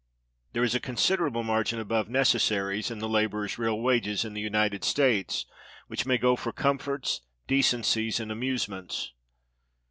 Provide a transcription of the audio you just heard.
There is a considerable margin above necessaries, in the laborer's real wages in the United States, which may go for comforts, decencies, and amusements.